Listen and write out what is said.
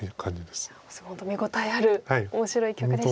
すごい本当見応えある面白い一局でした。